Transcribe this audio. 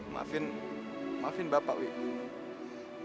maafin maafin bapak wik